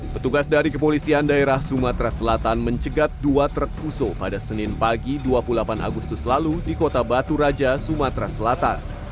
petugas dari kepolisian daerah sumatera selatan mencegat dua truk fuso pada senin pagi dua puluh delapan agustus lalu di kota batu raja sumatera selatan